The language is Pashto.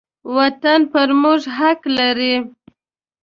وطن پر موږ حق لري.